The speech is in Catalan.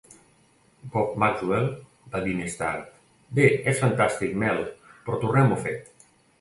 Bob Maxwell va dir més tard: Bé, és fantàstic, Mel, però tornem-ho a fer.